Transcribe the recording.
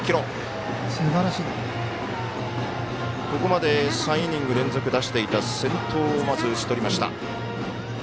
ここまで３イニング連続出していた先頭をまず打ち取りました。